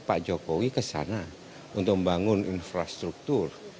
pak jokowi ke sana untuk membangun infrastruktur